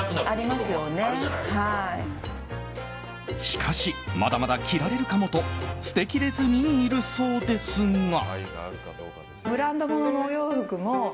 しかしまだまだ着られるかもと捨てきれずにいるそうですが。